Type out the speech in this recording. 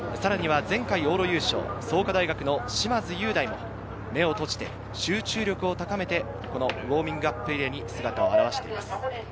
前回往路優勝、創価大学の嶋津雄大も目を閉じて集中力を高めてウオーミングアップエリアに姿を現しています。